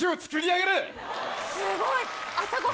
すごい！